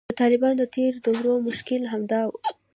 د طالبانو د تیر دور مشکل همدا و